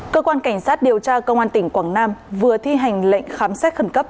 cơ quan cảnh sát điều tra công an tỉnh quảng nam vừa thi hành lệnh khám xét khẩn cấp